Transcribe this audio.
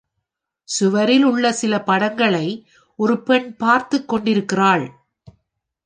சுவரிலுள்ள சில படங்களை ஒரு பெண் பார்த்துக் கொண்டிருக்கிறாள்.